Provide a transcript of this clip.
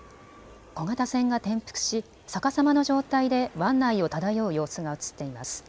小型船が転覆し逆さまの状態で湾内を漂う様子が写っています。